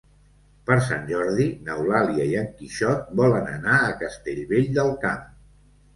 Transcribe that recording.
Per Sant Jordi n'Eulàlia i en Quixot volen anar a Castellvell del Camp.